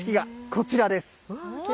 こちらです。